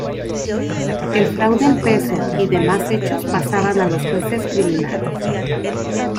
El fraude en peso y demás hechos pasaban a los jueces criminales.